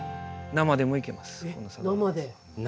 生でいけます。